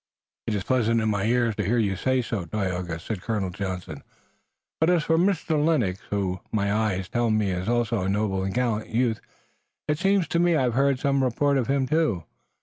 "It is pleasant in my ears to hear you say so, Tayoga," said Colonel Johnson, "and as for Mr. Lennox, who, my eyes tell me is also a noble and gallant youth, it seems to me I've heard some report of him too.